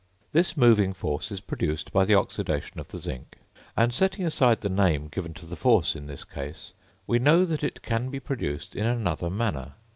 This moving force is produced by the oxidation of the zinc; and, setting aside the name given to the force in this case, we know that it can be produced in another manner.